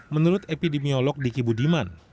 menurut epidemiolog diki budiman